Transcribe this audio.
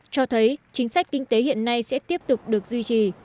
cho thấy chính sách kinh tế hiện nay sẽ tiếp tục được duy trì